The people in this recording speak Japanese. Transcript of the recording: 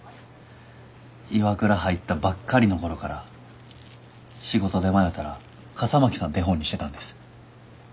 ＩＷＡＫＵＲＡ入ったばっかりの頃から仕事で迷たら笠巻さん手本にしてたんです。